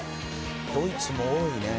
「ドイツも多いね」